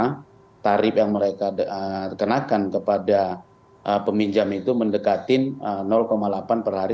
karena tarif yang mereka kenakan kepada peminjam itu mendekatin delapan per hari